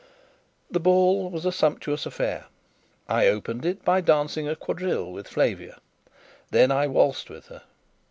The ball was a sumptuous affair. I opened it by dancing a quadrille with Flavia: then I waltzed with her.